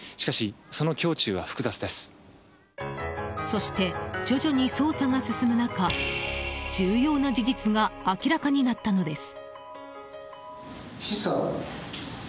そして徐々に捜査が進む中重要な事実が明らかになったのです。